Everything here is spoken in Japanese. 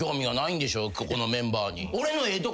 ここのメンバーに。